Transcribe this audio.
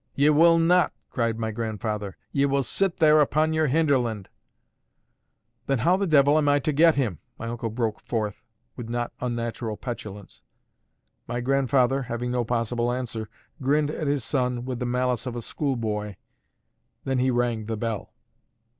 "Ye will not!" cried my grandfather. "Ye will sit there upon your hinderland." "Then how the devil am I to get him?" my uncle broke forth, with not unnatural petulance. My grandfather (having no possible answer) grinned at his son with the malice of a schoolboy; then he rang the bell.